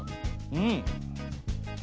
うん！